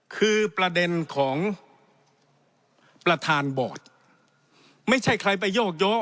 คือประเด็นของประธานบอร์ดไม่ใช่ใครไปโยกโยก